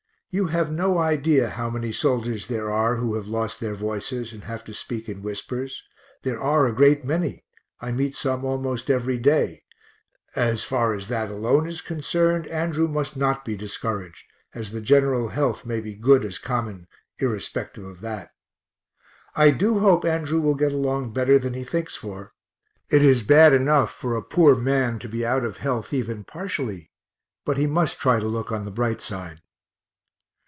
You have no idea how many soldiers there are who have lost their voices, and have to speak in whispers there are a great many, I meet some almost every day; as far as that alone is concerned, Andrew must not be discouraged, as the general health may be good as common irrespective of that. I do hope Andrew will get along better than he thinks for it is bad enough for a poor man to be out of health even partially, but he must try to look on the bright side.